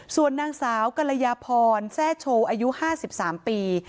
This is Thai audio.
ส่วนนางสาวกรยาพรแซ่โชว์อายุ๕๓ปี